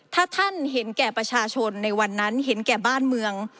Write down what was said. ถ้าท่านเห็นแก่ประชาชนในวันนั้นเห็นแก่บ้านเมือง